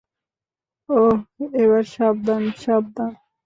ওহ, এবার, সাবধান, সাবধান।